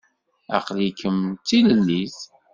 Aql-ikem d tilellit?